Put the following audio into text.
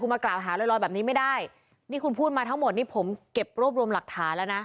มากล่าวหาลอยแบบนี้ไม่ได้นี่คุณพูดมาทั้งหมดนี่ผมเก็บรวบรวมหลักฐานแล้วนะ